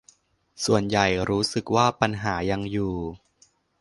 ส่วนใหญ่รู้สึกว่าปัญหายังอยู่